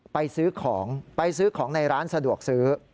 ไปซื้อของไปซื้อของในร้านสะดวกซื้อ